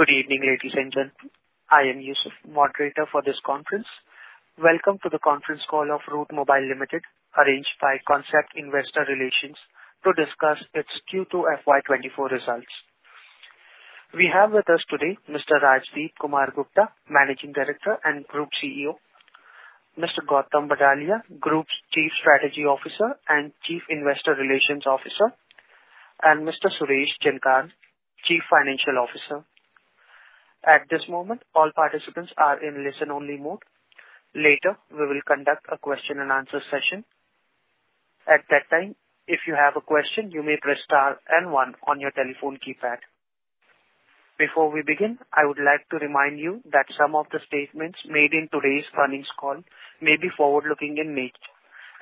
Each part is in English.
Good evening, ladies and gentlemen. I am Yusuf, moderator for this conference. Welcome to the conference call of Route Mobile Limited, arranged by Concept Investor Relations, to discuss its Q2 FY24 results. We have with us today Mr. Rajdipkumar Gupta, Managing Director and Group CEO, Mr. Gautam Badalia, Group's Chief Strategy Officer and Chief Investor Relations Officer, and Mr. Suresh Jankar, Chief Financial Officer. At this moment, all participants are in listen-only mode. Later, we will conduct a Q&A session. At that time, if you have a question, you may press star and one on your telephone keypad. Before we begin, I would like to remind you that some of the statements made in today's earnings call may be forward-looking in nature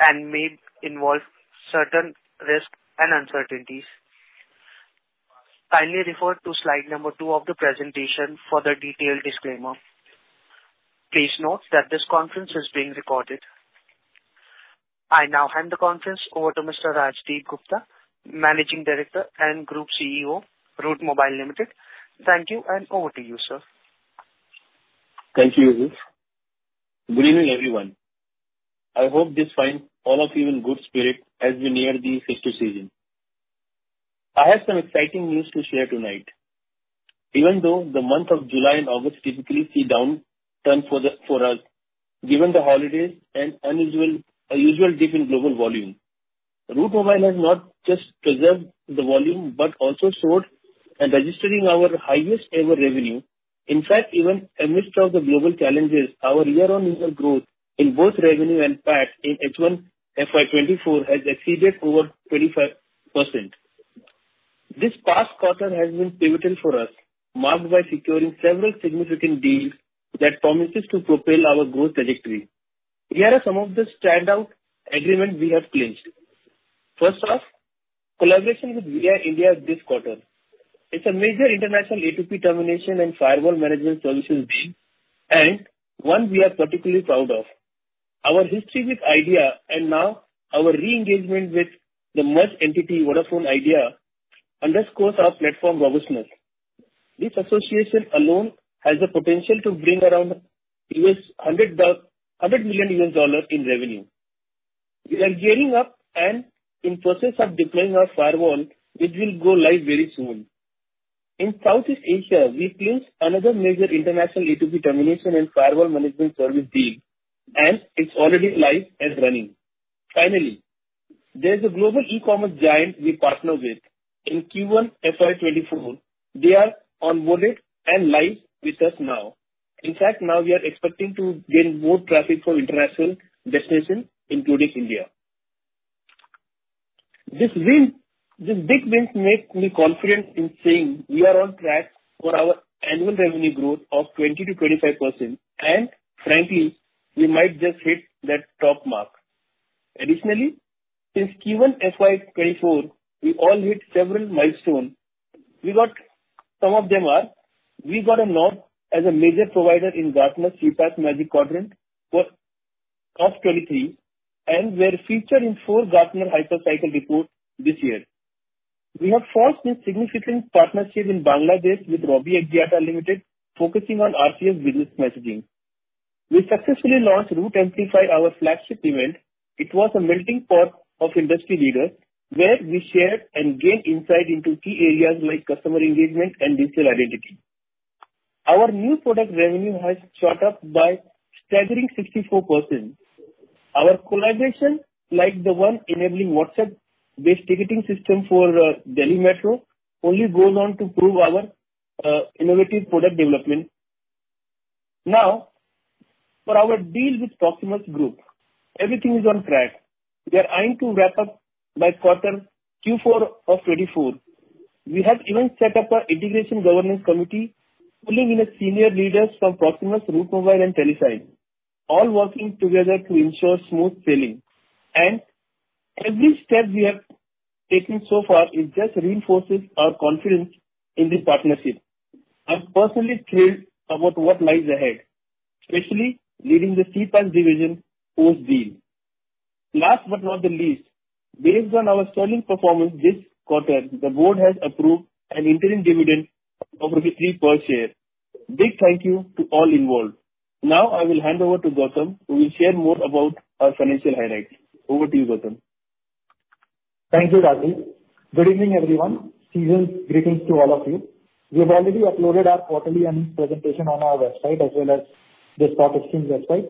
and may involve certain risks and uncertainties. Kindly refer to slide number 2 of the presentation for the detailed disclaimer. Please note that this conference is being recorded. I now hand the conference over to Mr. Rajdip Gupta, Managing Director and Group CEO, Route Mobile Limited. Thank you, and over to you, sir. Thank you, Yusuf. Good evening, everyone. I hope this finds all of you in good spirit as we near the festive season. I have some exciting news to share tonight. Even though the month of July and August typically see downturn for us, given the holidays and unusual dip in global volume, Route Mobile has not just preserved the volume, but also soared and registering our highest ever revenue. In fact, even amidst of the global challenges, our year-on-year growth in both revenue and PAT in H1 FY 2024 has exceeded over 25%. This past quarter has been pivotal for us, marked by securing several significant deals that promises to propel our growth trajectory. Here are some of the standout agreements we have clinched. First off, collaboration with Vi India this quarter. It's a major international A2P termination and firewall management services deal, and one we are particularly proud of. Our history with Idea and now our re-engagement with the merged entity, Vodafone Idea, underscores our platform robustness. This association alone has the potential to bring around $100 million in revenue. We are gearing up and in process of deploying our firewall, which will go live very soon. In Southeast Asia, we clinched another major international A2P termination and firewall management service deal, and it's already live and running. Finally, there's a global e-commerce giant we partnered with. In Q1 FY 2024, they are onboarded and live with us now. In fact, now we are expecting to gain more traffic from international destinations, including India. This win, this big wins make me confident in saying we are on track for our annual revenue growth of 20%-25%, and frankly, we might just hit that top mark. Additionally, since Q1 FY 2024, we all hit several milestone. We got, some of them are: We got a nod as a major provider in Gartner CPaaS Magic Quadrant for 2023, and we're featured in 4 Gartner Hype Cycle reports this year. We have forged a significant partnership in Bangladesh with Robi Axiata Limited, focusing on RCS business messaging. We successfully launched Route Amplify, our flagship event. It was a melting pot of industry leaders, where we shared and gained insight into key areas like customer engagement and digital identity. Our new product revenue has shot up by staggering 64%. Our collaboration, like the one enabling WhatsApp-based ticketing system for Delhi Metro, only goes on to prove our innovative product development. Now, for our deal with Proximus Group, everything is on track. We are eyeing to wrap up by Q4 of 2024. We have even set up an integration governance committee, pulling in senior leaders from Proximus, Route Mobile, and Telesign, all working together to ensure smooth sailing. Every step we have taken so far, it just reinforces our confidence in this partnership. I'm personally thrilled about what lies ahead, especially leading the CPaaS division post-deal. Last but not the least, based on our sterling performance this quarter, the board has approved an interim dividend of 3 per share. Big thank you to all involved. Now I will hand over to Gautam, who will share more about our financial highlights. Over to you, Gautam. Thank you, Rajdip. Good evening, everyone. Season's greetings to all of you. We have already uploaded our quarterly earnings presentation on our website, as well as the stock exchange website.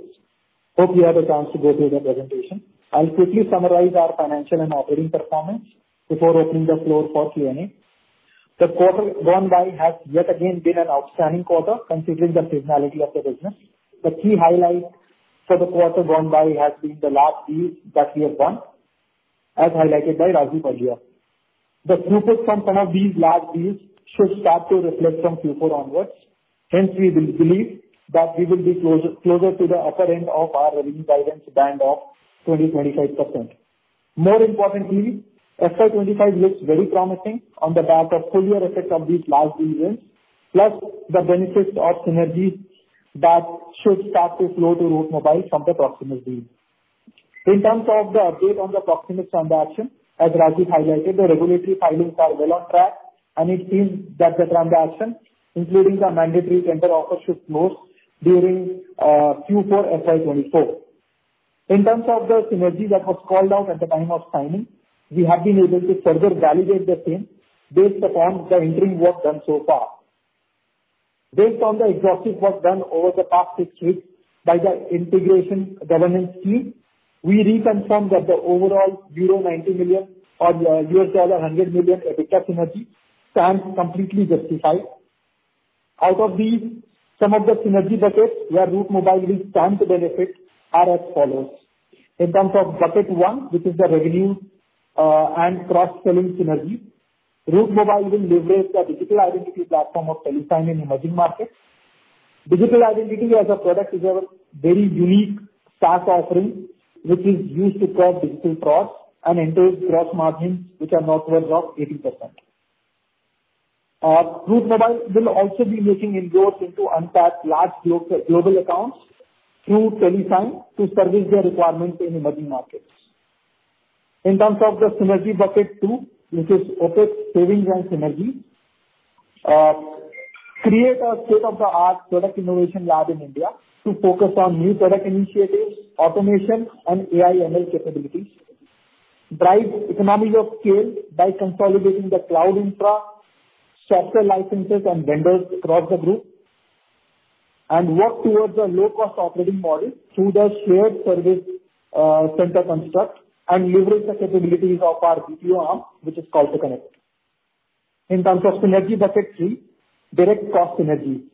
Hope you had a chance to go through the presentation. I'll quickly summarize our financial and operating performance before opening the floor for Q&A. The quarter gone by has yet again been an outstanding quarter, considering the seasonality of the business. The key highlights for the quarter gone by has been the large deals that we have won, as highlighted by Rajdip earlier. The throughput from some of these large deals should start to reflect from Q4 onwards. Hence, we believe that we will be closer, closer to the upper end of our revenue guidance band of 20%-25%. More importantly, FY 2025 looks very promising on the back of full year effect of these large deals wins, plus the benefits of synergies that should start to flow to Route Mobile from the Proximus deal. In terms of the update on the Proximus transaction, as Rajdip highlighted, the regulatory filings are well on track, and it seems that the transaction, including the mandatory counteroffer, should close during Q4 FY 2024. In terms of the synergy that was called out at the time of signing, we have been able to further validate the same based upon the interim work done so far. Based on the exhaustive work done over the past six weeks by the integration governance team, we reconfirm that the overall euro 90 million or $100 million EBITDA synergy stands completely justified. Out of these, some of the synergy buckets where Route Mobile will stand to benefit are as follows: In terms of bucket one, which is the revenue, and cross-selling synergy, Route Mobile will leverage the Digital Identity platform of Telesign in emerging markets. Digital Identity as a product is a very unique SaaS offering, which is used to drive digital trust and entails gross margins which are northwards of 80%. Route Mobile will also be making inroads into untapped large global accounts through Telesign to service their requirements in emerging markets. In terms of the synergy bucket two, which is OpEx savings and synergy, create a state-of-the-art product innovation lab in India to focus on new product initiatives, automation, and AI/ML capabilities, drive economies of scale by consolidating the cloud infra, software licenses, and vendors across the group, and work towards a low-cost operating model through the shared service center construct and leverage the capabilities of our BPO arm, which is Call 2 Connect. In terms of synergy bucket three, direct cost synergy.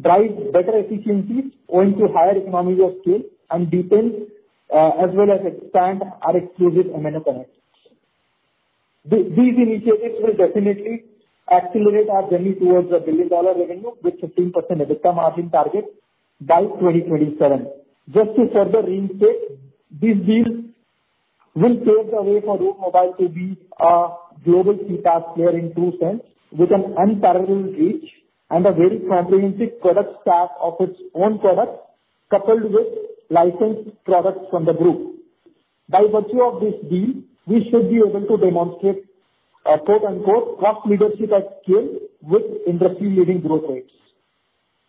Drive better efficiencies owing to higher economies of scale and deepen as well as expand our exclusive MNO connects. These initiatives will definitely accelerate our journey towards a billion-dollar revenue with 15% EBITDA margin target by 2027. Just to further reinstate, this deal will pave the way for Route Mobile to be a global CPaaS player in true sense, with an unparalleled reach and a very comprehensive product stack of its own products, coupled with licensed products from the group. By virtue of this deal, we should be able to demonstrate, quote, unquote, "cost leadership at scale with industry-leading growth rates."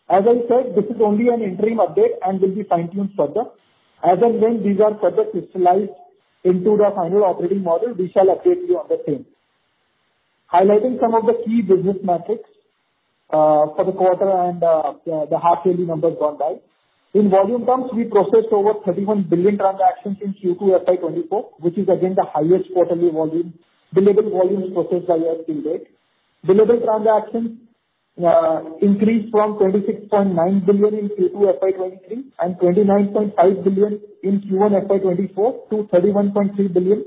As I said, this is only an interim update and will be fine-tuned further. As and when these are further crystallized into the final operating model, we shall update you on the same. Highlighting some of the key business metrics, for the quarter and the half yearly numbers gone by. In volume terms, we processed over 31 billion transactions in Q2 FY 2024, which is again the highest quarterly volume, billable volumes processed by us to date. Billable transactions increased from 26.9 billion in Q2 FY 2023 and 29.5 billion in Q1 FY 2024 to 31.3 billion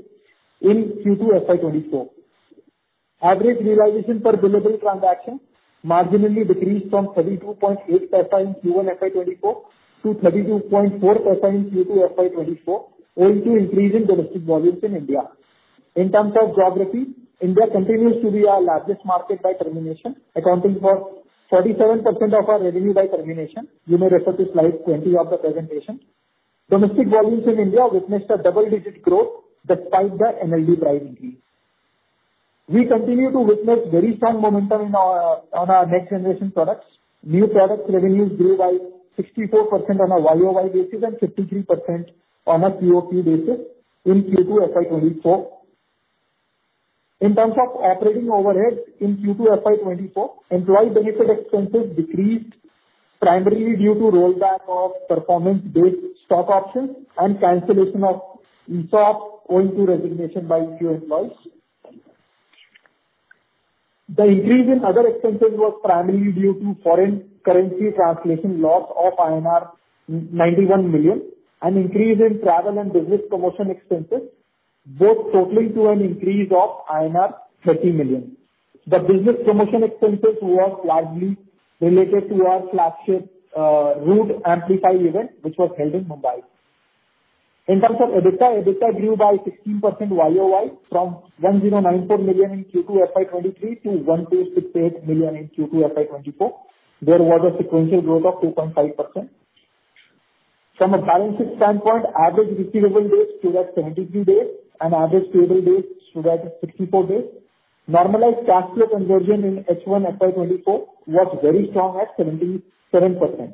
in Q2 FY 2024. Average realization per billable transaction marginally decreased from 32.8% in Q1 FY 2024 to 32.4% in Q2 FY 2024, owing to increase in domestic volumes in India. In terms of geography, India continues to be our largest market by termination, accounting for 47% of our revenue by termination. You may refer to slide 20 of the presentation. Domestic volumes in India witnessed a double-digit growth despite the NLD pricing deals. We continue to witness very strong momentum in our, on our next-generation products. New product revenues grew by 64% on a YoY basis and 53% on a QOQ basis in Q2 FY 2024. In terms of operating overheads in Q2 FY 2024, employee benefit expenses decreased, primarily due to rollback of performance-based stock options and cancellation of stock owing to resignation by few employees. The increase in other expenses was primarily due to foreign currency translation loss of INR 91 million and increase in travel and business promotion expenses, both totaling to an increase of INR 30 million. The business promotion expenses were largely related to our flagship, Route Amplify event, which was held in Mumbai. In terms of EBITDA, EBITDA grew by 16% YoY from 1,094 million in Q2 FY 2023 to 1,268 million in Q2 FY 2024. There was a sequential growth of 2.5%. From a balancing standpoint, average receivable days stood at 73 days, and average payable days stood at 64 days. Normalized cash flow conversion in H1 FY 2024 was very strong at 77%.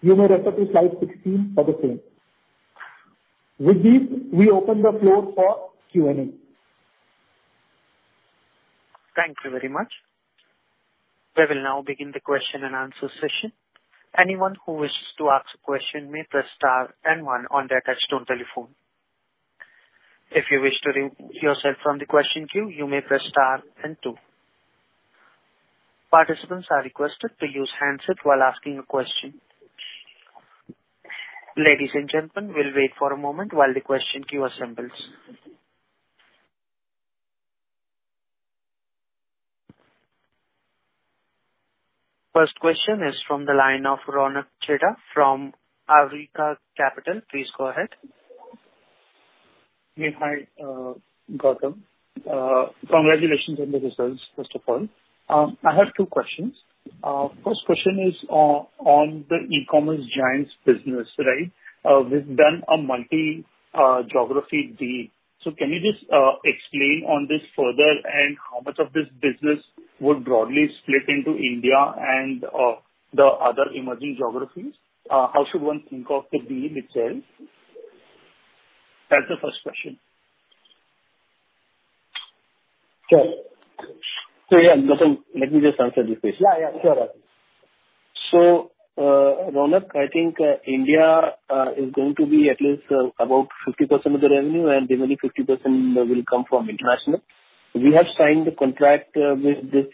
You may refer to slide 16 for the same. With this, we open the floor for Q&A. Thank you very much. We will now begin the question-and-answer session. Anyone who wishes to ask a question may press star and one on their touchtone telephone. If you wish to remove yourself from the question queue, you may press star and two. Participants are requested to use handset while asking a question. Ladies and gentlemen, we'll wait for a moment while the question queue assembles. First question is from the line of Ronak Chheda from Awriga Capital. Please go ahead. Hey, hi, Gautam. Congratulations on the results, first of all. I have two questions. First question is, on the e-commerce giant's business, right? We've done a multi-geography deal. So can you just explain on this further, and how much of this business would broadly split into India and the other emerging geographies? How should one think of the deal itself? That's the first question. Sure. So yeah, Gautam, let me just answer this question. Yeah, yeah, sure. So, Ronak, I think India is going to be at least about 50% of the revenue, and the remaining 50% will come from international. We have signed the contract with this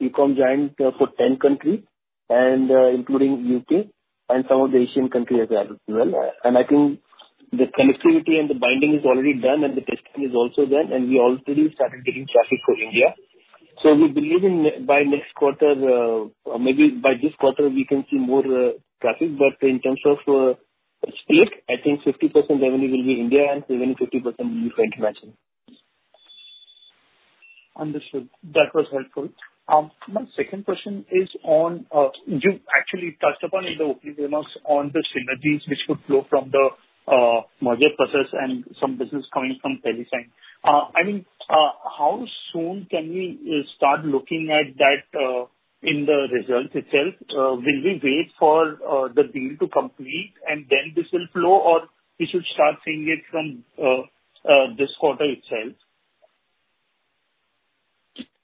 e-com giant for 10 countries and including UK and some of the Asian countries as well. And I think the connectivity and the binding is already done, and the testing is also done, and we already started getting traffic for India. So we believe in by next quarter or maybe by this quarter, we can see more traffic. But in terms of split, I think 50% revenue will be India and remaining 50% will be international. Understood. That was helpful. My second question is on, you actually touched upon in the opening remarks on the synergies which would flow from the merger process and some business coming from Telesign. I mean, how soon can we start looking at that in the results itself? Will we wait for the deal to complete and then this will flow, or we should start seeing it from this quarter itself?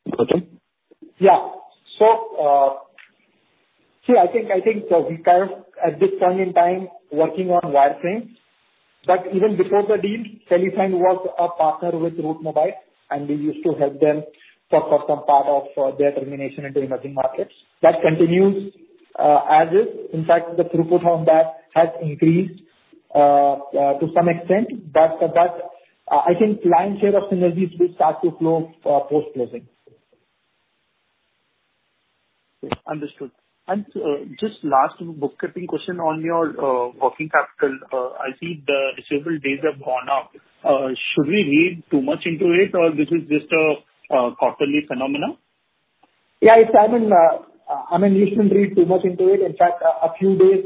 Gautam? Yeah. So, see, I think, I think we are at this point in time working on wireframe, but even before the deal, Telesign was a partner with Route Mobile, and we used to help them for, for some part of, their termination into emerging markets. That continues, as is. In fact, the throughput on that has increased, to some extent, but, but I think lion's share of synergies will start to flow, post-closing. Understood. And, just last bookkeeping question on your working capital. I see the receivable days have gone up. Should we read too much into it, or this is just a quarterly phenomenon? Yeah, it's, I mean, I mean, you shouldn't read too much into it. In fact, a few days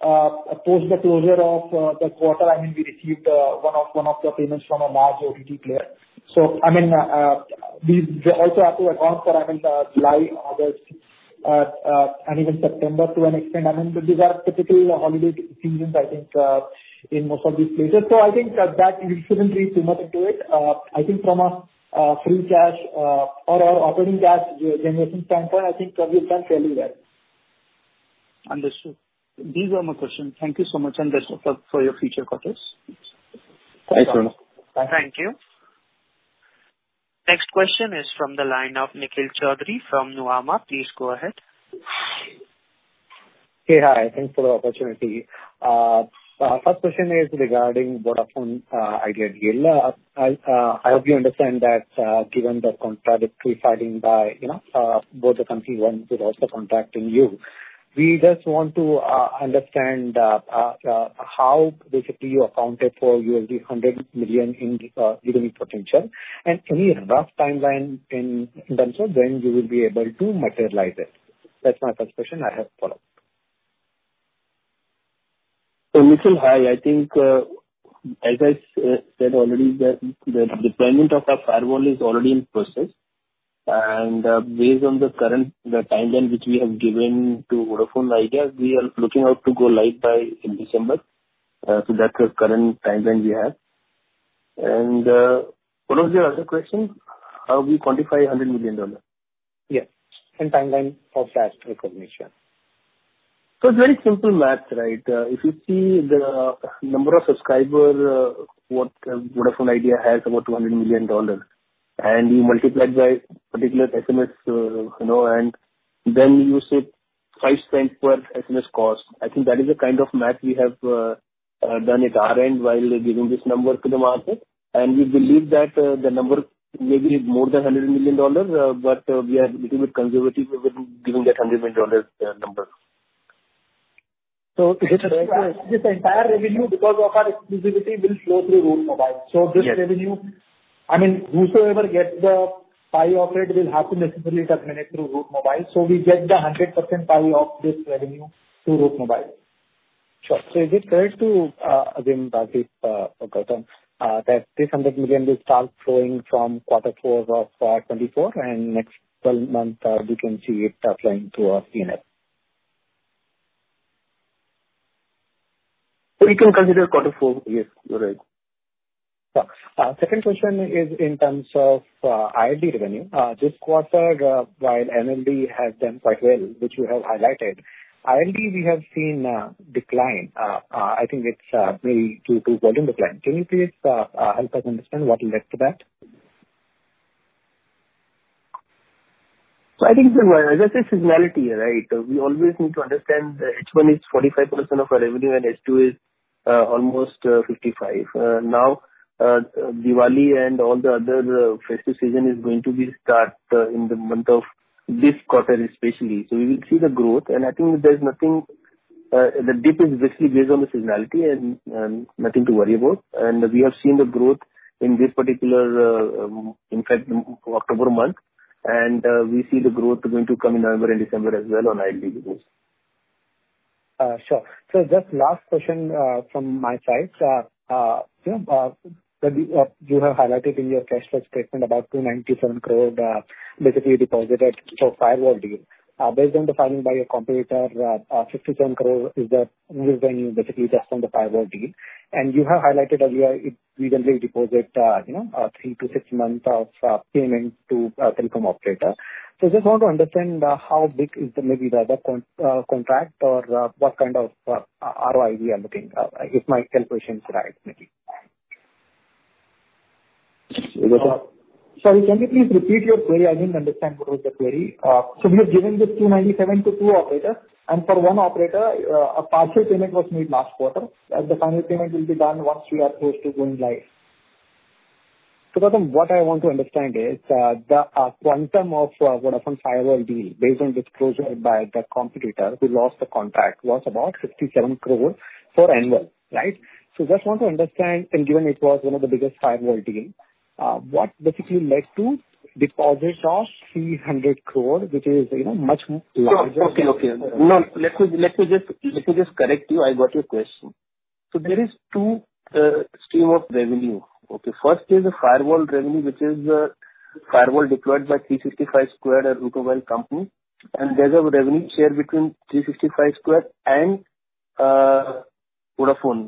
post the closure of the quarter, I mean, we received one of the payments from a large OTT player. So, I mean, we also have to advance for, I mean, July, August, and even September to an extent. I mean, these are typically the holiday seasons, I think, in most of these places. So I think that we shouldn't read too much into it. I think from a free cash or operating cash generation standpoint, I think probably you can't tell me that. Understood. These are my questions. Thank you so much, and best of luck for your future quarters. Thanks a lot. Bye. Thank you. Next question is from the line of Nikhil Choudhary from Nuvama. Please go ahead. Hey, hi, thanks for the opportunity. First question is regarding Vodafone Idea deal. I hope you understand that, given the contradictory filing by, you know, both the companies and who is also contacting you, we just want to understand, you know, how basically you accounted for $100 million in economic potential. And any rough timeline in terms of when you will be able to materialize it? That's my first question. I have follow-up. So Nikhil, hi, I think, as I said already, the deployment of our firewall is already in process, and, based on the current timeline which we have given to Vodafone Idea, we are looking out to go live by in December. So that's the current timeline we have. And, what was your other question? How we quantify $100 million. Yeah, and timeline for fast recognition. So it's very simple math, right? If you see the number of subscriber, what Vodafone Idea has about $200 million, and you multiply by particular SMS, you know, and then you say five cents per SMS cost. I think that is the kind of math we have done at our end while giving this number to the market, and we believe that, the number may be more than $100 million, but, we are little bit conservative with giving that $100 million, number. This entire revenue, because of our exclusivity, will flow through Route Mobile. Yes. So this revenue, I mean, whosoever gets the pie operator will have to necessarily terminate through Route Mobile. So we get the 100% pie of this revenue to Route Mobile. Sure. So is it correct to again repeat, Gautam, that this 100 million will start flowing from quarter four of 2024, and next twelve months, we can see it top line through our P&L? You can consider quarter four. Yes, you're right. Got it. Second question is in terms of ILD revenue. This quarter, while NLD has done quite well, which you have highlighted, ILD, we have seen decline. I think it's maybe due to volume decline. Can you please help us understand what led to that? I think, as I said, seasonality, right? We always need to understand that H1 is 45% of our revenue and H2 is almost 55%. Now, Diwali and all the other festive season is going to start in the month of this quarter especially. We will see the growth, and I think there's nothing— the dip is basically based on the seasonality and nothing to worry about. We have seen the growth in this particular, in fact, October month, and we see the growth going to come in November and December as well on IDD business. Sure. So just last question from my side. You know that you have highlighted in your press release statement about 297 crore basically deposited for firewall deal. Based on the filing by your competitor, 67 crore is the revenue basically just from the firewall deal. And you have highlighted that you usually deposit, you know, 3-6 months of payment to telecom operator. So just want to understand how big is maybe the other con contract or what kind of ROI we are looking if my calculations are right, maybe? Sorry, can you please repeat your query? I didn't understand what was the query. We have given this 297 to two operators, and for one operator, a partial payment was made last quarter. The final payment will be done once we are close to going live. So Gautam, what I want to understand is, the quantum of Vodafone firewall deal, based on disclosure by the competitor who lost the contract, was about 67 crore for annual, right? So just want to understand, and given it was one of the biggest firewall deal, what basically led to deposit of 300 crore, which is, you know, much larger? Okay, okay. No, let me just correct you. I got your question. So there is two streams of revenue. Okay, first is the firewall revenue, which is firewall deployed by 365squared and Route Mobile. And there's a revenue share between 365squared and Vodafone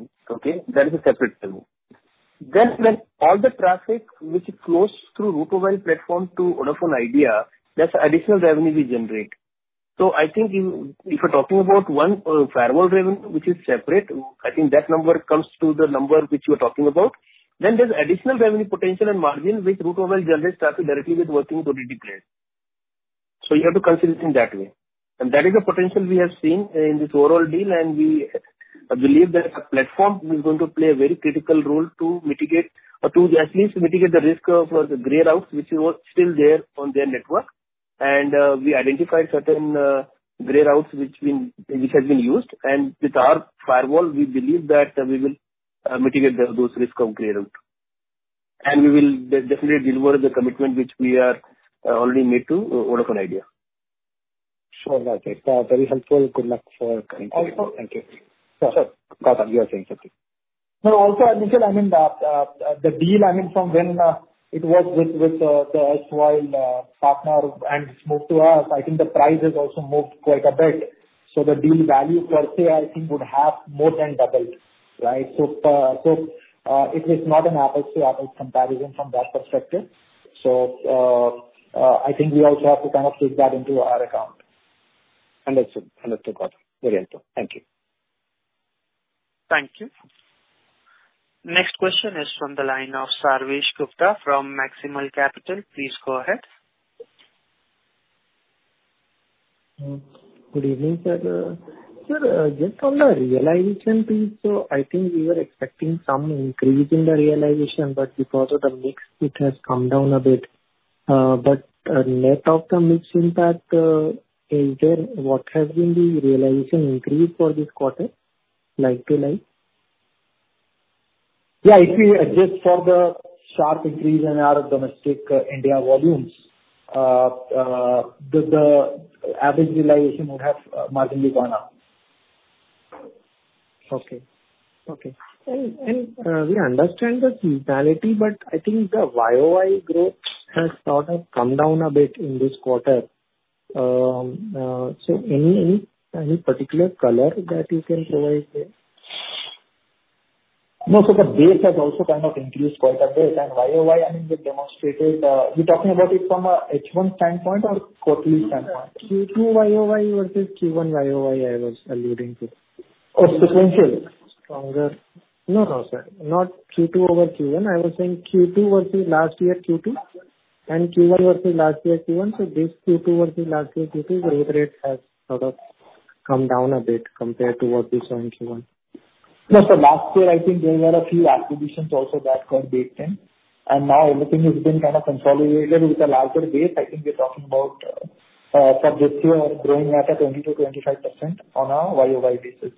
Idea. Okay? That is a separate revenue. Then when all the traffic which flows through Route Mobile platform to Vodafone Idea, that's additional revenue we generate. So I think you, if you're talking about one firewall revenue, which is separate, I think that number comes to the number which you are talking about. Then there's additional revenue potential and margin, which Route Mobile generates directly with OTT player. So you have to consider it in that way. That is the potential we have seen in this overall deal, and we believe that the platform is going to play a very critical role to mitigate or to at least mitigate the risk of, for the gray routes, which was still there on their network. We identified certain gray routes which have been used, and with our firewall, we believe that we will mitigate those risk of gray route. We will definitely deliver the commitment which we are already made to Vodafone Idea. Sure. Okay. Very helpful. Good luck for coming. Thank you. Thank you. Sir, Gautam, you were saying something. No, also, Nikhil, I mean, the deal, I mean, from when it was with the prior partner and moved to us, I think the price has also moved quite a bit. So the deal value per se, I think would have more than doubled, right? So, I think we also have to kind of take that into our account. Understood. Understood, Gautam. Very helpful. Thank you. Thank you. Next question is from the line of Sarvesh Gupta from Maximal Capital. Please go ahead. Good evening, sir. Sir, just on the realization piece, so I think we were expecting some increase in the realization, but because of the mix, it has come down a bit. But, net of the mix impact, is there, what has been the realization increase for this quarter, like to like? Yeah, if we adjust for the sharp increase in our domestic India volumes, the average realization would have marginally gone up. Okay. Okay. And we understand the seasonality, but I think the YoY growth has sort of come down a bit in this quarter. So any particular color that you can provide there? No. So the base has also kind of increased quite a bit. And YoY, I mean, we demonstrated, you're talking about it from a H1 standpoint or quarterly standpoint? Q2 year-over-year versus Q1 year-over-year, I was alluding to. Oh, sequentially? Stronger. No, no, sir. Not Q2 over Q1. I was saying Q2 versus last year Q2, and Q1 versus last year Q1. So this Q2 versus last year Q2, the rate has sort of come down a bit compared to what we saw in Q1. No, so last year, I think there were a few acquisitions also that were based in, and now everything has been kind of consolidated with a larger base. I think we're talking about subjects who are growing at a 20%-25% year-over-year basis.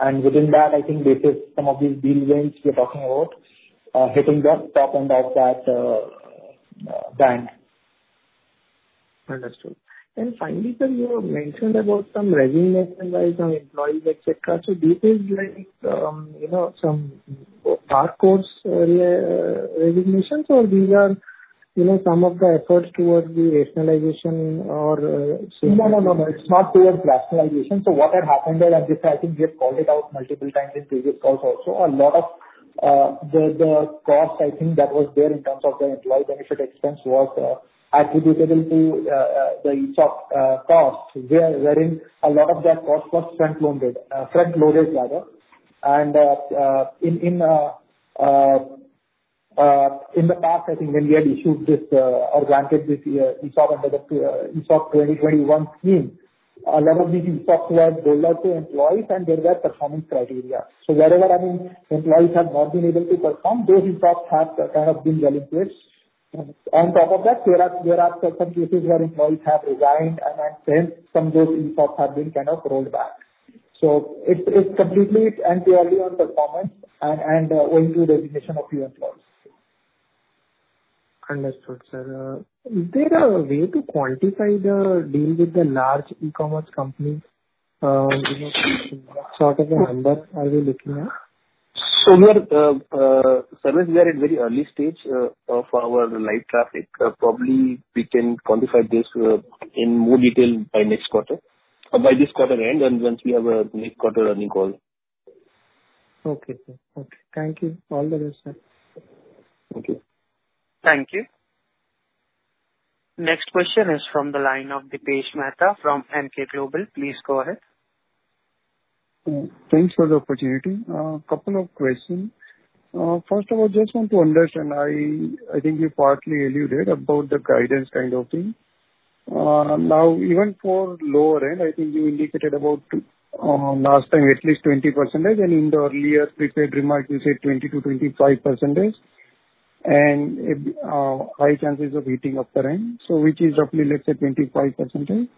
And within that, I think this is some of these deal wins we are talking about hitting the top end of that band. Understood. And finally, sir, you have mentioned about some resignation by some employees, etc. So this is like, you know, some hardcore resignations, or these are, you know, some of the efforts towards the rationalization or- No, no, no, no, it's not towards rationalization. So what had happened there, and this, I think we have called it out multiple times in previous calls also, a lot of the cost, I think, that was there in terms of the employee benefit expense was attributable to the ESOP cost, wherein a lot of that cost was front-loaded, front-loaded rather. And in the past, I think when we had issued this or granted this ESOP under the ESOP 2021 scheme, a lot of these ESOPs were rolled out to employees, and there were performance criteria. So wherever, I mean, employees have not been able to perform, those ESOPs have kind of been relinquished. On top of that, there are certain cases where employees have resigned, and then some of those have been kind of rolled back. So it's completely and purely on performance and owing to the resignation of few employees. Understood, sir. Is there a way to quantify the deal with the large e-commerce company, you know, sort of the numbers are we looking at? We are currently at very early stage of our live traffic. Probably we can quantify this in more detail by next quarter or by this quarter end, and once we have a next quarter earnings call. Okay, sir. Okay, thank you. All the best, sir. Thank you. Thank you. Next question is from the line of Dipesh Mehta from Emkay Global. Please go ahead. Thanks for the opportunity. Couple of questions. First of all, just want to understand, I think you partly alluded about the guidance kind of thing. Now, even for lower end, I think you indicated about, last time at least 20%, and in the earlier prepared remarks, you said 20%-25%, and, high chances of hitting upper end. So which is roughly, let's say, 25%,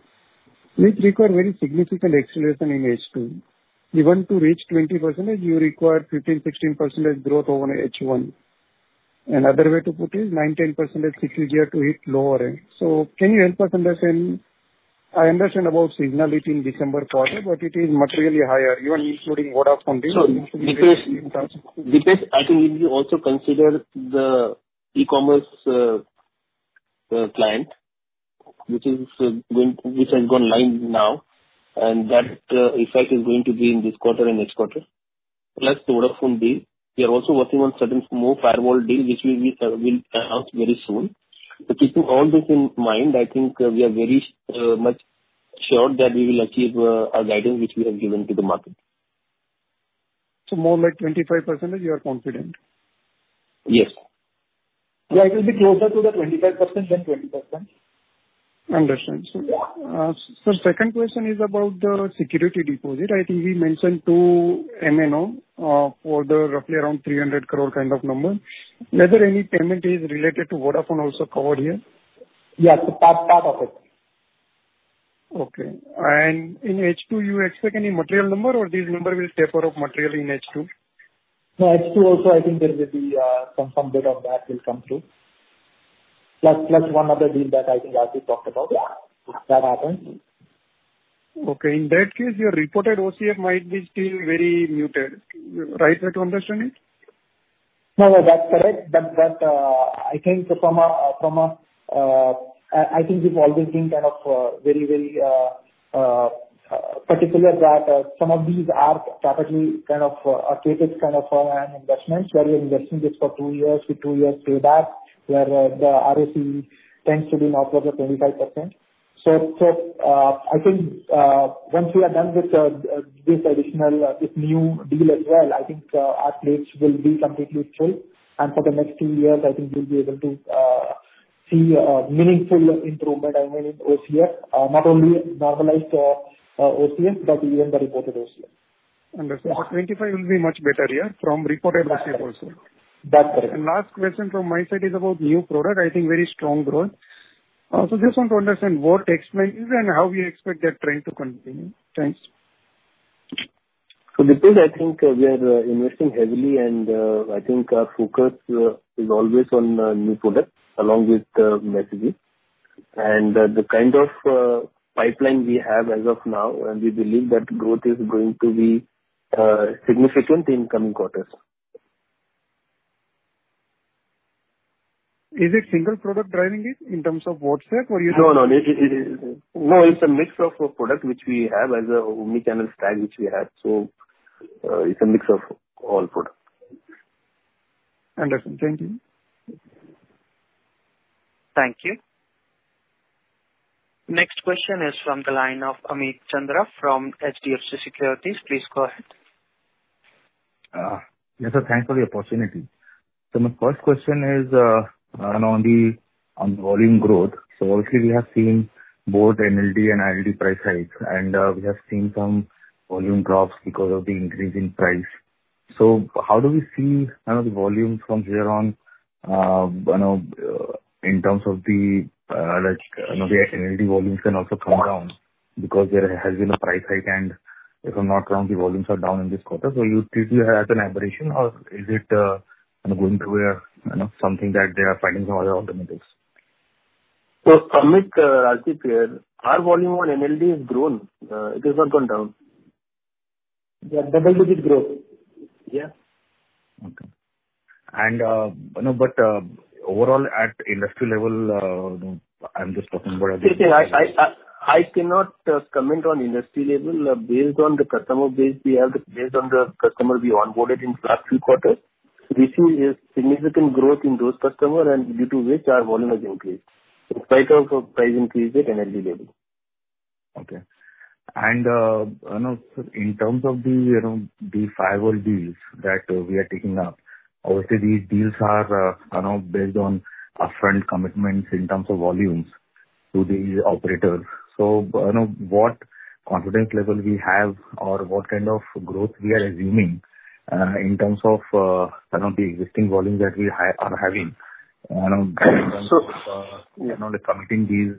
which require very significant acceleration in H2. Even to reach 20%, you require 15, 16% growth over H1. Another way to put it, 19% which is there to hit lower end. So can you help us understand? I understand about seasonality in December quarter, but it is materially higher, even including Vodafone bill- So, Dipesh, Dipesh, I think if you also consider the e-commerce client, which is going, which has gone live now, and that effect is going to be in this quarter and next quarter, plus the Vodafone bill. We are also working on certain more firewall deal, which we will, will announce very soon. So keeping all this in mind, I think we are very much sure that we will achieve our guidance, which we have given to the market. More like 25%, you are confident? Yes. Yeah, it will be closer to the 25% than 20%. Understand, sir. Yeah. So second question is about the security deposit. I think we mentioned two MNO for the roughly around 300 crore kind of number. Whether any payment is related to Vodafone also covered here? Yeah, part of it. Okay. And in H2, you expect any material number, or this number will taper off materially in H2? No, H2 also, I think there will be some bit of that will come through. Plus, plus one other deal that I think Rajdip talked about. Yeah, that happens. Okay. In that case, your reported OCF might be still very muted. Right way to understand it? No, no, that's correct. But, I think from a, from a, I think we've always been kind of, very, very, particular that, some of these are properly kind of, created kind of for our investments, where you're investing this for two years to two years payback, where, the ROC tends to be north of 25%. So, I think, once we are done with, this additional, this new deal as well, I think, our plates will be completely full. And for the next two years, I think we'll be able to, see a meaningful improvement and win OCF, not only normalized, OCF, but even the reported OCF. Understood. So 25 will be much better, yeah, from reported OCF also? That's correct. Last question from my side is about new product, I think very strong growth. So just want to understand what explains and how we expect that trend to continue? Thanks. So Dipesh, I think we are investing heavily, and I think our focus is always on new products along with messages. And the kind of pipeline we have as of now, and we believe that growth is going to be significant in coming quarters. Is it single product driving it in terms of what set or you- No, no, it is. No, it's a mix of products which we have as an omni-channel stack, which we have. So, it's a mix of all products. Understood. Thank you. Thank you. Next question is from the line of Amit Chandra from HDFC Securities. Please go ahead. Yes, sir. Thanks for the opportunity. So my first question is on volume growth. So obviously, we have seen both NLD and ILD price hikes, and we have seen some volume drops because of the increase in price. So how do we see the volumes from here on, you know, in terms of the NLD volumes can also come down, because there has been a price hike and if are not wrong, the volumes are down in this quarter. So you think you have an aberration or is it going through a, you know, something that they are finding some other alternatives? Amit, Rajdip here. Our volume on NLD has grown. It has not gone down. Yeah, double-digit growth. Yeah. Okay. And, you know, but, overall, at industry level, you know, I'm just talking about- Okay, I cannot comment on industry level. Based on the customer base we have, based on the customer we onboarded in last few quarters, we see a significant growth in those customer and due to which our volume has increased. The price increase is NLD level. Okay. And, you know, sir, in terms of the, you know, the firewall deals that we are taking up, obviously these deals are kind of based on upfront commitments in terms of volumes. To the operator. So, you know, what confidence level we have or what kind of growth we are assuming, in terms of, kind of, the existing volumes that we have, are having, you know, committing these,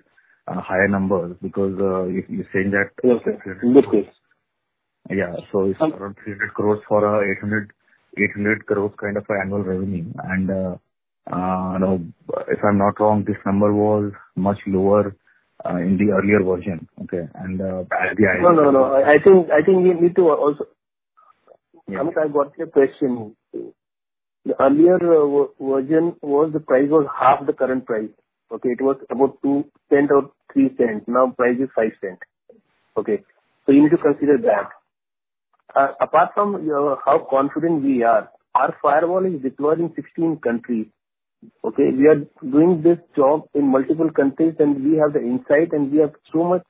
higher numbers because, you, you're saying that- Yes, in this case. Yeah. So it's 100 crore for 800, 800 crores kind of annual revenue. And, you know, if I'm not wrong, this number was much lower in the earlier version. Okay? And, as the- No, no, no. I think, I think you need to also- Yeah. Amit, I've got a question. The earlier version was the price was half the current price. Okay? It was about $0.02 or $0.03, now price is $0.05. Okay, so you need to consider that. Apart from your how confident we are, our firewall is deployed in 16 countries. Okay? We are doing this job in multiple countries, and we have the insight, and we have so much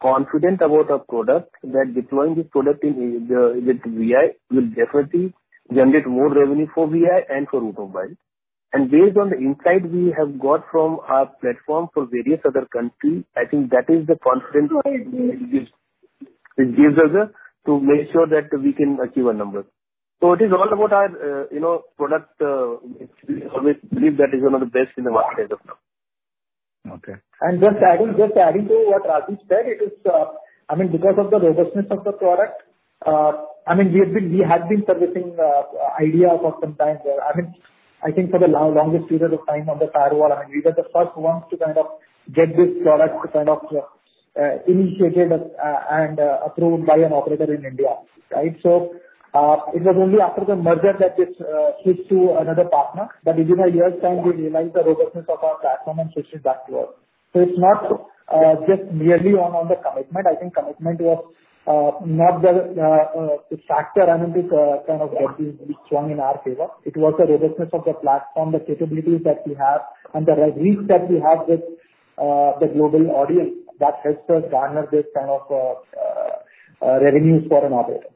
confident about our product, that deploying this product in, with VI, will definitely generate more revenue for VI and for Route Mobile. And based on the insight we have got from our platform for various other countries, I think that is the confidence it gives us, to make sure that we can achieve our numbers. It is all about our, you know, product. We always believe that is one of the best in the market now. Okay. And just adding, just adding to what Rajdip said, it is, I mean, because of the robustness of the product, I mean, we have been, we have been servicing Idea for some time there. I mean, I think for the long-longest period of time on the firewall, I mean, we were the first ones to kind of get this product to kind of initiated and approved by an operator in India, right? So, it was only after the merger that it switched to another partner, but within a year's time, we realized the robustness of our platform and switched it back to us. So it's not just merely on, on the commitment. I think commitment was not the, the factor, I mean, which kind of got things strong in our favor. It was the robustness of the platform, the capabilities that we have and the reach that we have with the global audience that helps us garner this kind of revenues for an operator.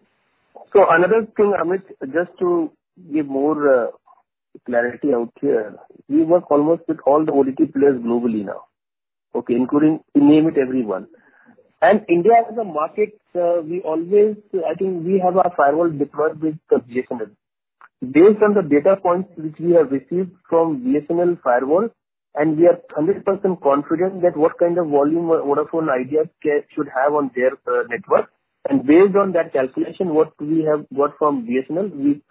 So another thing, Amit, just to give more clarity out here. We work almost with all the OTT players globally now, okay? Including, you name it, everyone. And India as a market, we always, I think we have our firewall deployed with BSNL. Based on the data points which we have received from BSNL firewall, and we are 100% confident that what kind of volume Vodafone Idea should have on their network. And based on that calculation, what we have got from BSNL, we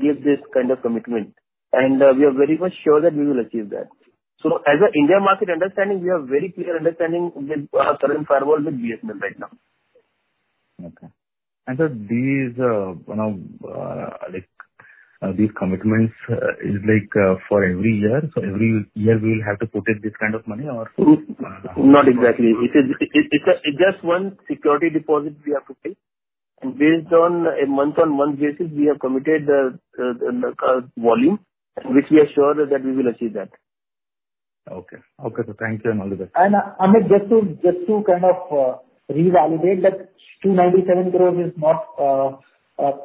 give this kind of commitment, and we are very much sure that we will achieve that. So as an India market understanding, we have very clear understanding with our current firewall with BSNL right now. Okay. And so these, you know, like, these commitments, is like, for every year? So every year we'll have to put in this kind of money or? Not exactly. It is just one security deposit we have to take, and based on a month-on-month basis, we have committed the volume, which we are sure that we will achieve that. Okay. Okay, so thank you, and all the best. Amit, just to kind of revalidate that 297 crore is not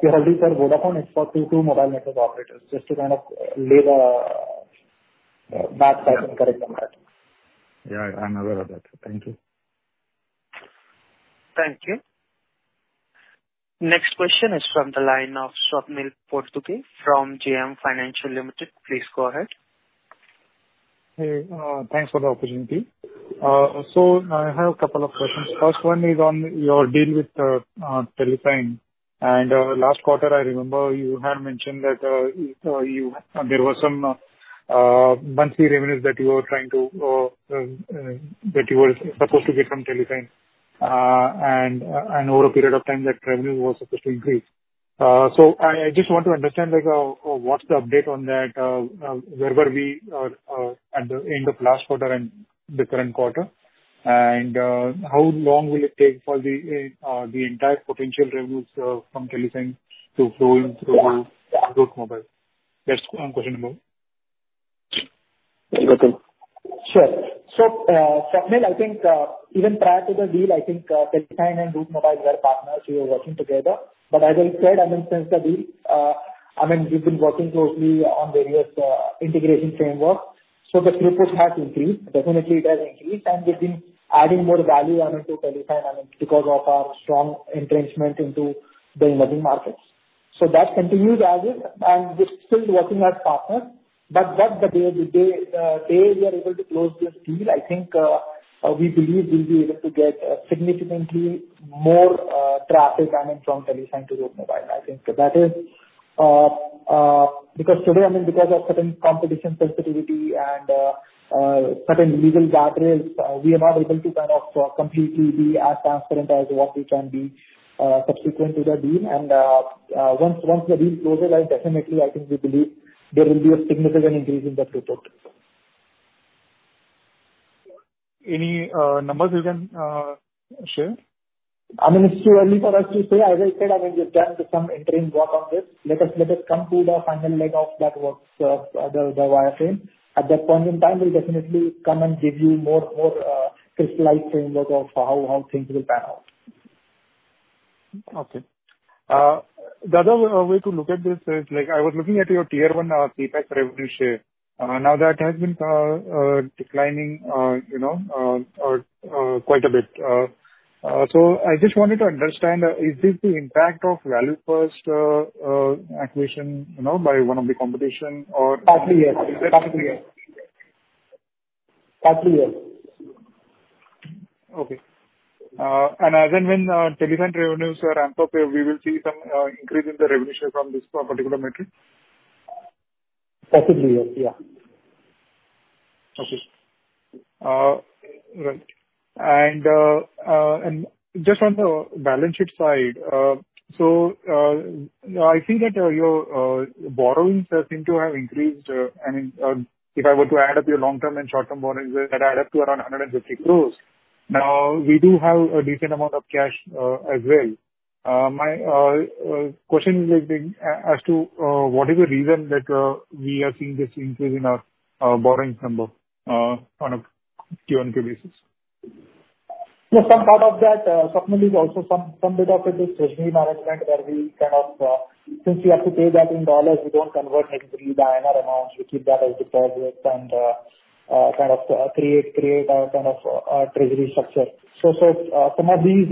purely for Vodafone, it's for two mobile network operators. Just to kind of lay the back side and correct them, right? Yeah, I'm aware of that. Thank you. Thank you. Next question is from the line of Swapnil Potdukhe from JM Financial Limited. Please go ahead. Hey, thanks for the opportunity. I have a couple of questions. First one is on your deal with Telesign, and last quarter I remember you had mentioned that there was some monthly revenues that you were supposed to get from Telesign, and over a period of time, that revenue was supposed to increase. I just want to understand, like, what's the update on that, where were we at the end of last quarter and the current quarter? And how long will it take for the entire potential revenues from Telesign to flow in through Route Mobile? That's one question about. Okay. Sure. So, Swapnil, I think, even prior to the deal, I think, Telesign and Route Mobile were partners who were working together. But as I said, I mean, since the deal, I mean, we've been working closely on various, integration framework. So the throughput has increased. Definitely, it has increased, and we've been adding more value on to Telesign, I mean, because of our strong entrenchment into the emerging markets. So that continues as is, and we're still working as partners. But the day we are able to close this deal, I think, we believe we'll be able to get, significantly more, traffic, I mean, from Telesign to Route Mobile. I think that is because today, I mean, because of certain competition sensitivity and certain legal barriers, we are not able to kind of completely be as transparent as what we can be subsequent to the deal. And once the deal closes, I definitely, I think we believe there will be a significant increase in the throughput. Any numbers you can share? I mean, it's too early for us to say. As I said, I mean, we've done some interim work on this. Let us come to the final leg of that work, the wireframe. At that point in time, we'll definitely come and give you more crystallized framework of how things will pan out. Okay. The other way to look at this is, like, I was looking at your Tier One, CPaaS revenue share. Now, that has been declining, you know, quite a bit. So I just wanted to understand, is this the impact of ValueFirst acquisition, you know, by one of the competition or- Partly, yes. Partly, yes. Partly, yes. Okay. And then when Telesign revenues are ramped up, we will see some increase in the revenue share from this particular metric? Possibly, yes. Yeah. Okay. Right. And just on the balance sheet side, so I think that your borrowings seem to have increased. I mean, if I were to add up your long-term and short-term borrowings, that adds up to around 150 crore. Now, we do have a decent amount of cash as well. My question is as to what is the reason that we are seeing this increase in our borrowing number on a Q-on-Q basis? Yes, some part of that certainly is also some bit of it is treasury management, where we kind of, since we have to pay that in dollars, we don't convert into the INR amounts, we keep that as deposit and kind of create a kind of treasury structure. So, some of these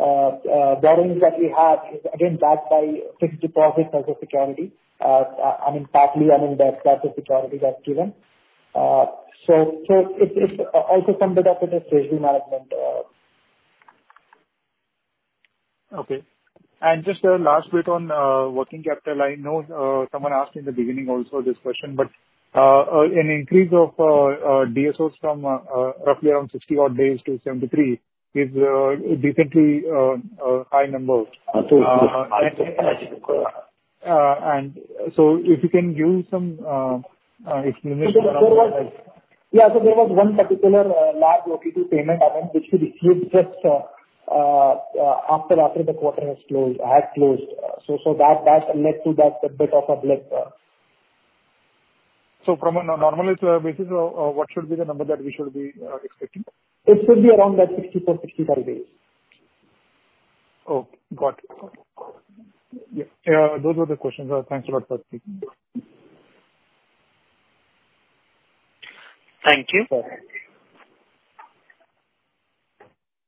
borrowings that we have is again backed by fixed deposits as a security. I mean, partly, I mean, that's what security is given. So, it, it's also summed up with this treasury management. Okay. And just a last bit on working capital. I know someone asked in the beginning also this question, but an increase of DSOs from roughly around 60 odd days to 73 is decently high number. Uh, If you can give some explanation? Yeah. So there was one particular large OTT payment event which we received just after the quarter had closed. So that led to that bit of a blip. From a normalized basis, what should be the number that we should be expecting? It should be around that 60-65 days. Oh, got it. Yeah, those were the questions. Thanks a lot for taking me. Thank you. Bye-bye.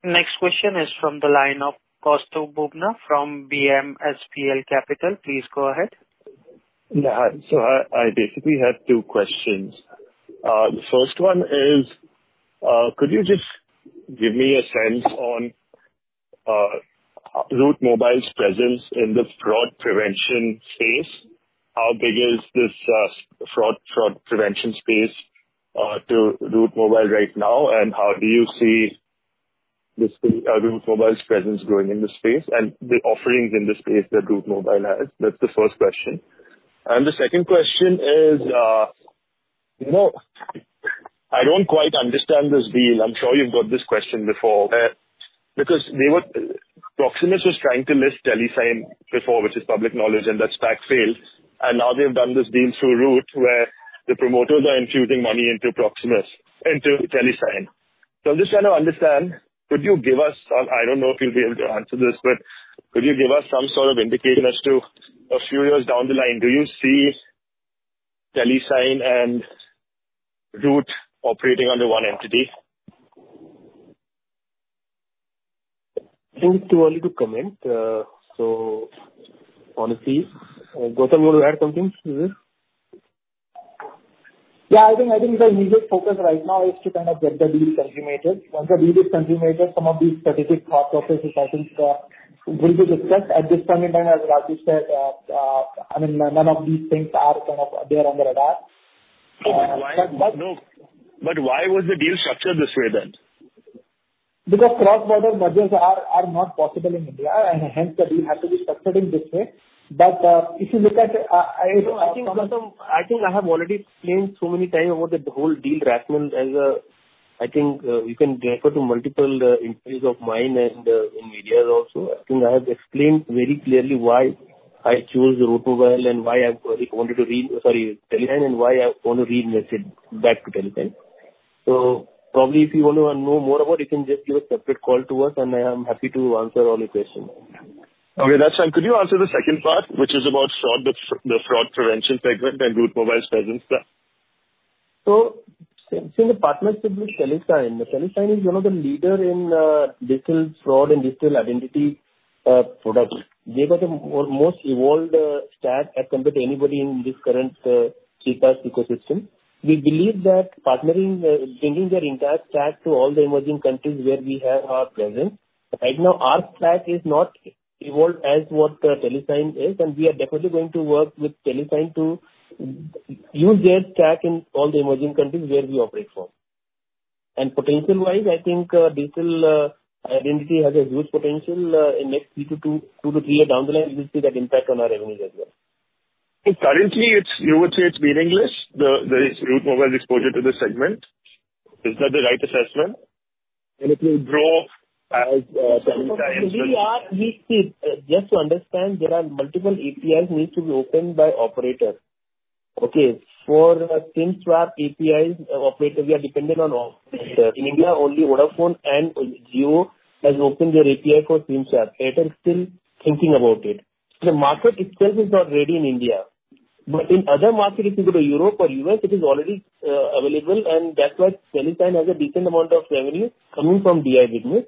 Next question is from the line of Kaustav Bubna from BMSPL Capital. Please go ahead. Yeah. So I basically have two questions. The first one is, could you just give me a sense on, Route Mobile's presence in this fraud prevention space? How big is this fraud prevention space to Route Mobile right now, and how do you see this Route Mobile's presence growing in this space and the offerings in this space that Route Mobile has? That's the first question. And the second question is, you know, I don't quite understand this deal. I'm sure you've got this question before, because Proximus was trying to list Telesign before, which is public knowledge, and that stack failed. And now they've done this deal through Route, where the promoters are infusing money into Proximus, into Telesign. I'm just trying to understand, could you give us, I don't know if you'll be able to answer this, but could you give us some sort of indication as to a few years down the line, do you see Telesign and Route operating under one entity? Too early to comment. So honestly, Gautam, you want to add something to this? Yeah, I think, I think the major focus right now is to kind of get the deal consummated. Once the deal is consummated, some of these strategic thought processes, I think, will be discussed. At this point in time, as Rajdip said, I mean, none of these things are kind of, they're under adapt. But why? No, but why was the deal structured this way then? Because cross-border mergers are not possible in India, and hence the deal had to be structured in this way. But, if you look at, I- I think, Kaustubh, I think I have already explained so many times about the whole deal rationale. I think you can refer to multiple inquiries of mine and in media also. I think I have explained very clearly why I chose Route Mobile and why I wanted to read, sorry, Telesign, and why I want to read message back to Telesign. So probably if you want to know more about it, you can just give a separate call to us, and I am happy to answer all your questions. Okay, that's fine. Could you answer the second part, which is about fraud, the fraud prevention segment and Route Mobile's presence there? Since the partnership with Telesign, Telesign is one of the leader in digital fraud and digital identity products. They got the most evolved stack as compared to anybody in this current ecosystem. We believe that partnering, bringing their entire stack to all the emerging countries where we have our presence. Right now, our stack is not evolved as what Telesign is, and we are definitely going to work with Telesign to use their stack in all the emerging countries where we operate from. And potential-wise, I think digital identity has a huge potential in next two to three years down the line, you will see that impact on our revenues as well. So currently, it's, you would say it's meaningless, the Route Mobile's exposure to this segment? Is that the right assessment? And it will grow as, Telesign- Just to understand, there are multiple APIs need to be opened by operator. Okay. For SIM swap APIs, operator, we are dependent on all. In India, only Vodafone and Jio has opened their API for SIM swap. Airtel still thinking about it. The market itself is not ready in India, but in other market, if you go to Europe or U.S., it is already available, and that's why Telesign has a decent amount of revenue coming from DI business.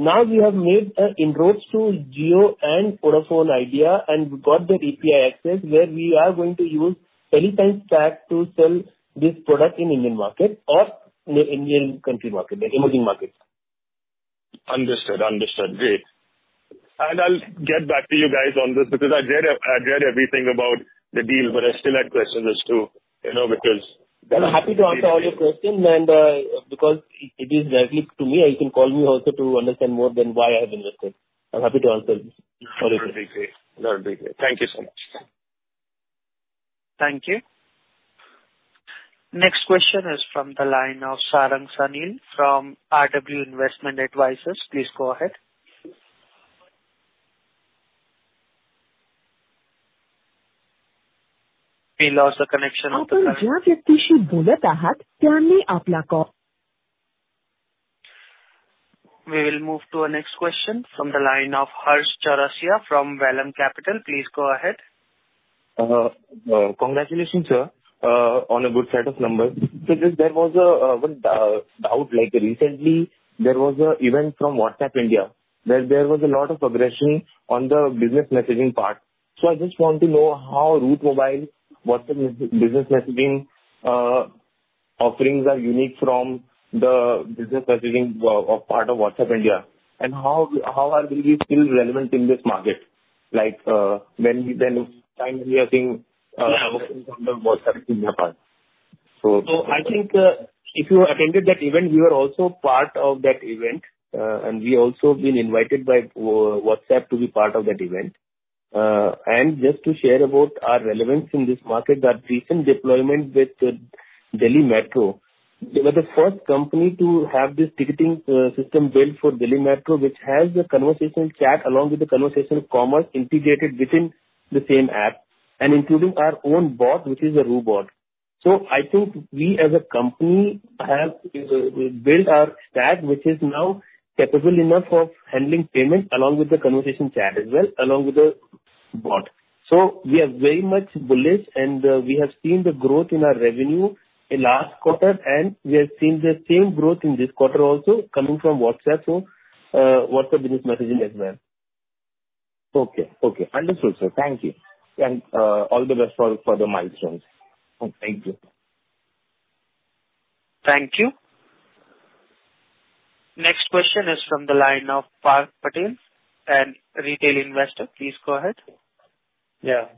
Now, we have made inroads to Jio and Vodafone Idea and got the API access, where we are going to use Telesign stack to sell this product in Indian market or in the Indian country market, the emerging market. Understood. Understood. Great. And I'll get back to you guys on this because I read, I read everything about the deal, but I still have questions as to, you know, because- I'm happy to answer all your questions and, because it is directly to me, you can call me also to understand more than why I have invested. I'm happy to answer this. That'll be great. That'll be great. Thank you so much. Thank you. Next question is from the line of Sarang Sunil from RW Investment Advisors. Please go ahead. We lost the connection of the last. We will move to our next question from the line of Harsh Chaurasia from Vallum Capital. Please go ahead. Congratulations, sir, on a good set of numbers. So just there was a one doubt. Like recently, there was a event from WhatsApp India, where there was a lot of aggression on the business messaging part. So I just want to know how Route Mobile, WhatsApp business messaging offerings are unique from the business messaging of part of WhatsApp India, and how are we still relevant in this market? Like, when time we are seeing WhatsApp India part. So- So I think, if you attended that event, you are also part of that event. And we also been invited by WhatsApp to be part of that event. And just to share about our relevance in this market, that recent deployment with Delhi Metro, we were the first company to have this ticketing system built for Delhi Metro, which has the conversation chat along with the conversation commerce integrated within the same app, and including our own bot, which is a Roubot. So I think we as a company have built our stack, which is now capable enough of handling payments along with the conversation chat as well, along with the bot. We are very much bullish, and we have seen the growth in our revenue in last quarter, and we have seen the same growth in this quarter also coming from WhatsApp. WhatsApp business messaging as well. Okay. Okay. Understood, sir. Thank you. And, all the best for the milestones. Okay. Thank you. Thank you. Next question is from the line of Parth Patel, a retail investor. Please go ahead. Yeah.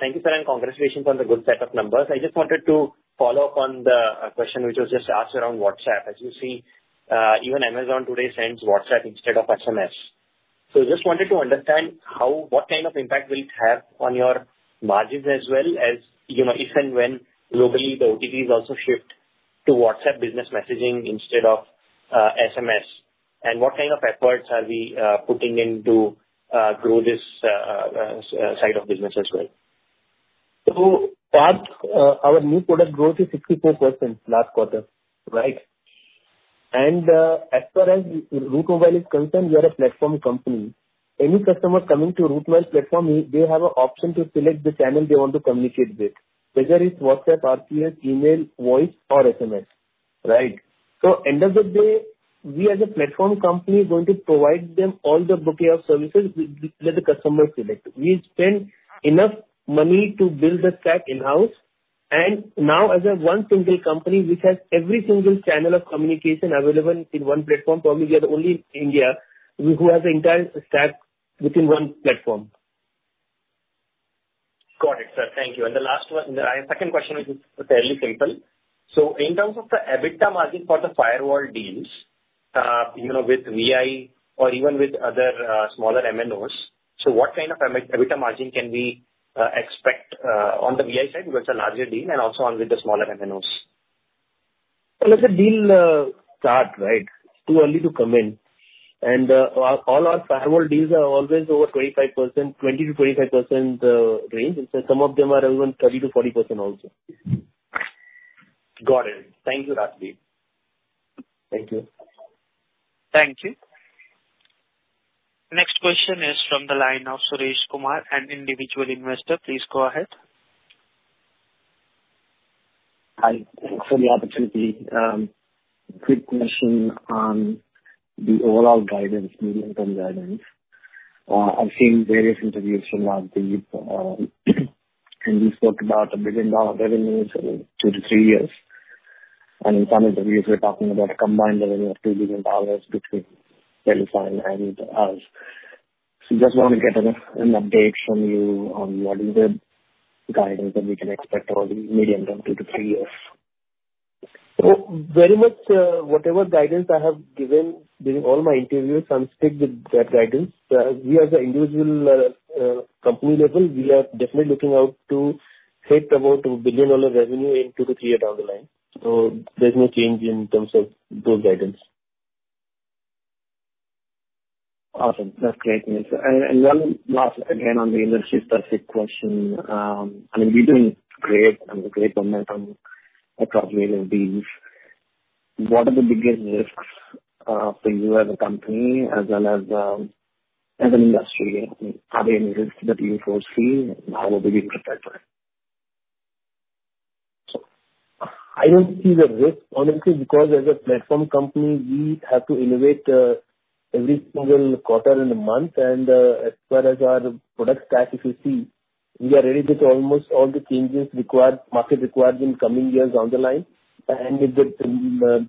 Thank you, sir, and congratulations on the good set of numbers. I just wanted to follow up on the question, which was just asked around WhatsApp. As you see, even Amazon today sends WhatsApp instead of SMS. So just wanted to understand how—what kind of impact will it have on your margins, as well as, you know, if and when globally the OTPs also shift to WhatsApp business messaging instead of SMS? And what kind of efforts are we putting in to grow this side of business as well? So Parth, our new product growth is 64% last quarter, right? And, as far as Route Mobile is concerned, we are a platform company. Any customer coming to Route Mobile platform, they have an option to select the channel they want to communicate with, whether it's WhatsApp, RCS, email, voice, or SMS, right? So end of the day, we as a platform company is going to provide them all the bouquet of services which let the customer select. We spend enough money to build the stack in-house, and now as a one single company which has every single channel of communication available in one platform, for me, we are the only in India who has the entire stack within one platform. Got it, sir. Thank you. And the last one, my second question is fairly simple. So in terms of the EBITDA margin for the firewall deals, you know, with VI or even with other, smaller MNOs, so what kind of EBITDA margin can we expect, on the VI side, because it's a larger deal, and also on with the smaller MNOs? Well, as the deal starts, right? It's too early to comment. All our firewall deals are always over 25%, 20%-25% range, and so some of them are even 30%-40% also. Got it. Thank you, Rajdip. Thank you. Thank you. Next question is from the line of Suresh Kumar, an individual investor. Please go ahead. Hi, thanks for the opportunity. Quick question on the overall guidance, medium-term guidance. I've seen various interviews from Rajdip, and you spoke about $1 billion revenues in two to three years. And in some interviews, we're talking about a combined revenue of $2 billion between Telesign and us. So just want to get an, an update from you on what is the guidance that we can expect on the medium term, two to three years? So very much, whatever guidance I have given during all my interviews, I'm stick with that guidance. We as a individual, company level, we are definitely looking out to hit about $1 billion revenue in 2-3 year down the line. So there's no change in terms of those guidance. Awesome. That's great news. And one last, again, on the industry-specific question. I mean, you're doing great and great momentum across various deals. What are the biggest risks for you as a company as well as as an industry? Are there any risks that you foresee, and how will you prepare for it? I don't see the risk, honestly, because as a platform company, we have to innovate every single quarter and month. And as far as our product stack, if you see, we are ready with almost all the changes required, market required in coming years down the line. And if the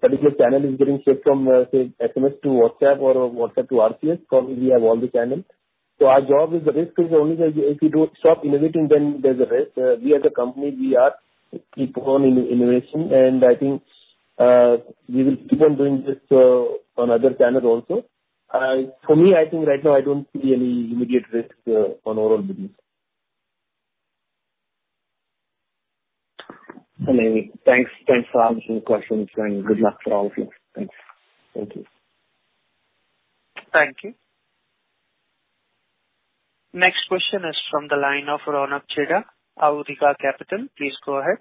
particular channel is getting shifted from say SMS to WhatsApp or WhatsApp to RCS, probably we have all the channels. So our job is the risk is only that if you don't stop innovating, then there's a risk. We as a company, we are keep on innovation, and I think we will keep on doing this on other channels also. For me, I think right now I don't see any immediate risk on overall business. Amazing. Thanks. Thanks for answering the questions, and good luck to all of you. Thanks. Thank you. Thank you. Next question is from the line of Ronak Chheda, Awriga Capital. Please go ahead.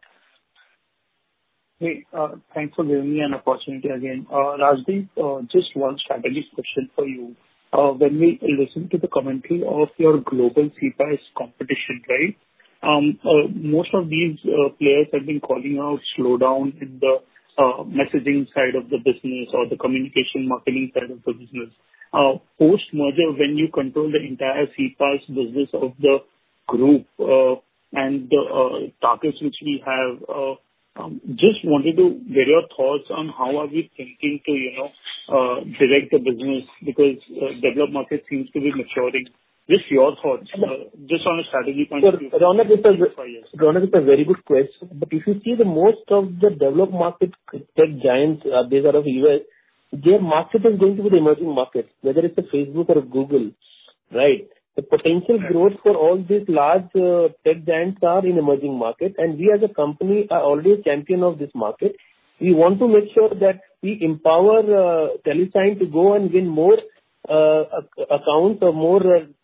Hey, thanks for giving me an opportunity again. Rajdip, just one strategy question for you. When we listen to the commentary of your global CPaaS competition, right, most of these players have been calling out slowdown in the messaging side of the business or the communication marketing side of the business. Post-merger, when you control the entire CPaaS business of the group, and the targets which we have, just wanted to hear your thoughts on how are we thinking to, you know, direct the business because developed markets seems to be maturing. Just your thoughts, just on a strategy point of view. Sir, Ronak, it's a- Yes. Ronak, it's a very good question, but if you see the most of the developed market, tech giants, based out of U.S., their market is going to be the emerging markets, whether it's a Facebook or a Google, right? Right. The potential growth for all these large tech giants are in emerging markets, and we as a company are already a champion of this market. We want to make sure that we empower Telesign to go and win more account or more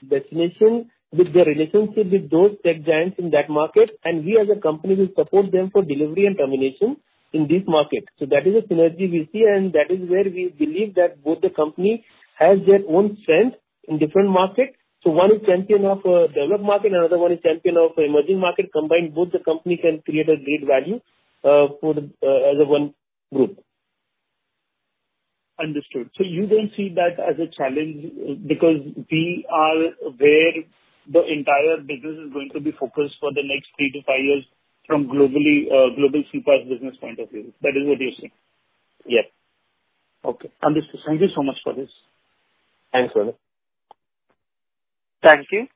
destinations with the relationship with those tech giants in that market, and we as a company will support them for delivery and termination in this market. So that is a synergy we see, and that is where we believe that both the company has their own strength in different markets. So one is champion of developed market and another one is champion of emerging market. Combined, both the company can create a great value for the as a one group. Understood. So you don't see that as a challenge, because we are where the entire business is going to be focused for the next 3-5 years from globally, global CPaaS business point of view. That is what you're saying? Yes. Okay. Understood. Thank you so much for this. Thanks, Ronak. Thank you.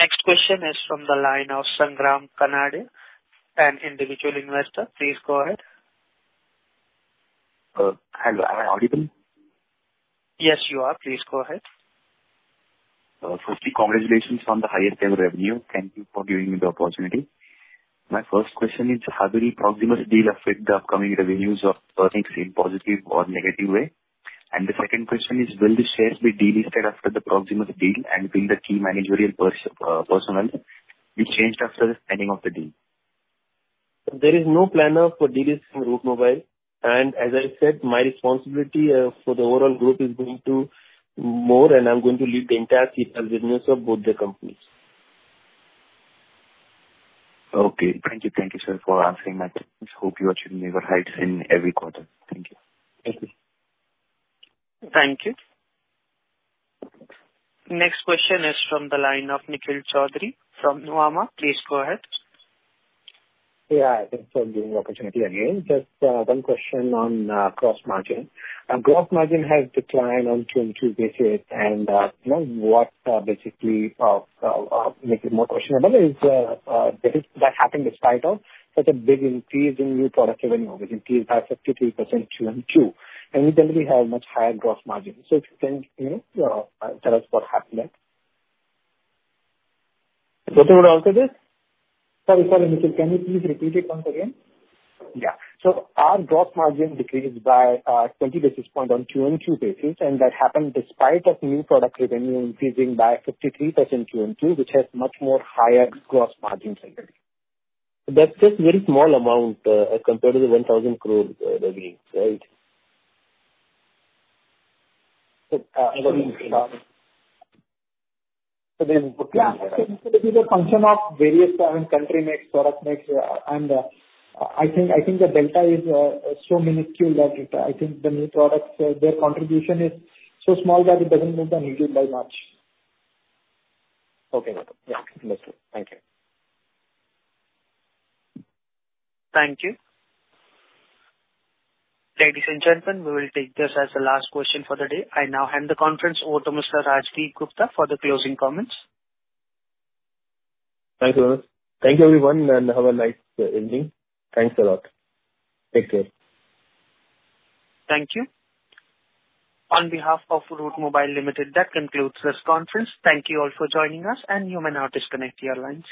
Next question is from the line of Sangram Kanade, an individual investor. Please go ahead. Hello. Am I audible? Yes, you are. Please go ahead. Firstly, congratulations on the higher revenue. Thank you for giving me the opportunity. My first question is: how did the Proximus deal affect the upcoming revenues in positive or negative way? And the second question is: will the shares be delisted after the Proximus deal, and will the key managerial personnel be changed after the signing of the deal? There is no plan for delisting Route Mobile, and as I said, my responsibility for the overall group is going to more, and I'm going to lead the entire CPaaS business of both the companies. Okay. Thank you. Thank you, sir, for answering my questions. Hope you achieve new heights in every quarter. Thank you. Thank you. Thank you. Next question is from the line of Nikhil Choudhary from Nuvama. Please go ahead. Yeah. Thanks for giving the opportunity again. Just, one question on, gross margin. Gross margin has declined on Q2 basis, and, you know what, basically, make it more questionable is, that is, that happened despite of such a big increase in new product revenue, which increased by 53% Q on Q, and we generally have much higher gross margin. So if you can, you know, tell us what happened there? Sorry, what was it? Sorry, sorry, Nikhil, can you please repeat it once again? Yeah. So our gross margin decreased by 20 basis points on Q-on-Q basis, and that happened despite of new product revenue increasing by 53% Q-on-Q, which has much more higher gross margin typically. That's a very small amount, as compared to the 1,000 crore revenue, right? So, uh, Yeah, so it is a function of various country mix, product mix, and I think, I think the delta is so minuscule that it, I think the new products, their contribution is so small that it doesn't move the needle by much. Okay, got it. Yeah, understood. Thank you. Thank you. Ladies and gentlemen, we will take this as the last question for the day. I now hand the conference over to Mr. Rajdip Gupta for the closing comments. Thank you, Yusuf. Thank you, everyone, and have a nice evening. Thanks a lot. Take care. Thank you. On behalf of Route Mobile Limited, that concludes this conference. Thank you all for joining us, and you may now disconnect your lines.